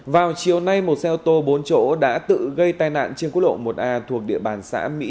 vào chiều nay một xe ô tô bốn chỗ đã tự gây tai nạn trên quốc lộ một a thuộc địa bàn xã mỹ